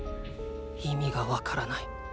意味が分からない。